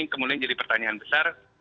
kemudian jadi pertanyaan besar